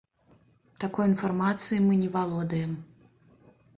Такой інфармацыяй мы не валодаем.